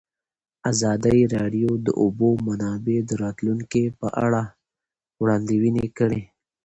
ازادي راډیو د د اوبو منابع د راتلونکې په اړه وړاندوینې کړې.